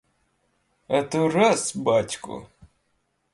А то раз батько!